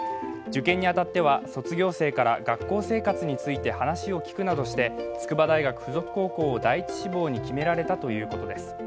受験に当たっては卒業生から学校生活について話を聞くなどして筑波大学附属高校を第一志望に決められたということです。